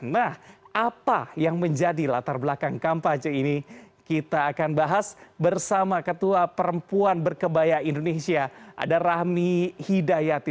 nah apa yang menjadi latar belakang kampanye ini kita akan bahas bersama ketua perempuan berkebaya indonesia ada rahmi hidayati